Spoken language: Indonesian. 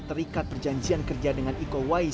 terikat perjanjian kerja dengan iko wais